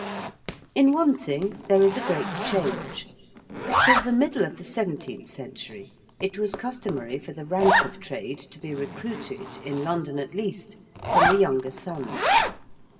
In one thing there is a great change. Till the middle of the seventeenth century it was customary for the rank of trade to be recruited in London, at least from the younger sons.